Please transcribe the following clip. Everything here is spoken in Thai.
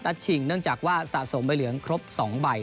ชิงเนื่องจากว่าสะสมใบเหลืองครบ๒ใบ